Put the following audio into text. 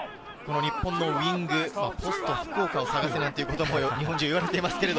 日本のウイング、ポスト福岡を探せなんてことも日本中にいわれています。